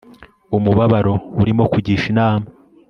umubabaro urimo kugisha inama